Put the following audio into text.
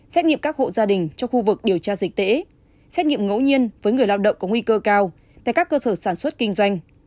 xét nghiệm các hộ gia đình trong khu vực điều tra dịch tễ xét nghiệm ngẫu nhiên với người lao động có nguy cơ cao tại các cơ sở sản xuất kinh doanh